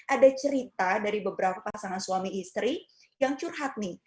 ada cerita dari beberapa pasangan suami istri yang curhat nih